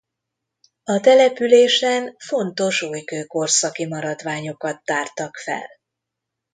A településen fontos újkőkorszaki maradványokat tártak fel.